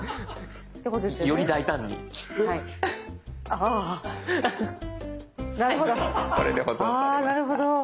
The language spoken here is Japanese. あなるほど。